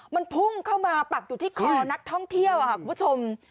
มันพุ่งเข้ามาปักอยู่ที่คอนักท่องเที่ยวค่ะคุณผู้ชม